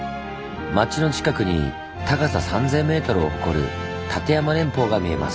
町の近くに高さ３，０００ｍを誇る立山連峰が見えます。